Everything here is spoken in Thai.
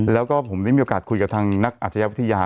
แล้วก็ผมได้มีโอกาสคุยกับทางนักอาชญาวิทยา